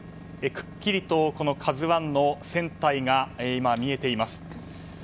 くっきりと「ＫＡＺＵ１」の船体が見えています。